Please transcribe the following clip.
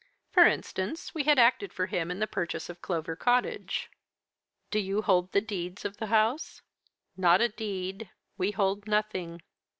For instance, we had acted for him in the purchase of Clover Cottage.' "'Do you hold the deeds of the house?' "'Not a deed. We hold nothing.